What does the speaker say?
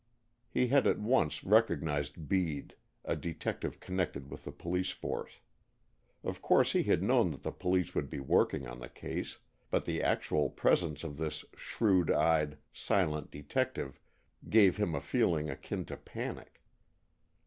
He had at once recognized Bede, a detective connected with the police force. Of course he had known that the police would be working on the case, but the actual presence of this shrewd eyed, silent detective gave him a feeling akin to panic.